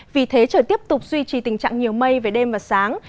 vì thế trời tiếp tục duy trì tình trạng nhiều mây về đêm và sáng